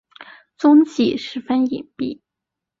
踪迹十分隐蔽。